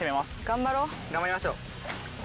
頑張りましょう。